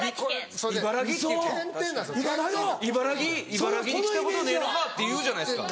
「いばらぎに来たごとねえのか？」って言うじゃないですか。